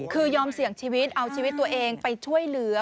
คือยอมเสี่ยงชีวิตเอาชีวิตตัวเองไปช่วยเหลือ